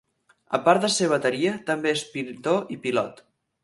A part de ser bateria, també és pintor i pilot.